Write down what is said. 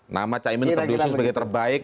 nama caimin terdusung sebagai terbaik